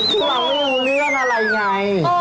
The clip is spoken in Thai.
คือเราไม่ดูเรื่องไรไง